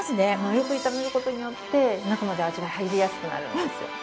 よく炒める事によって中まで味が入りやすくなるんですよ。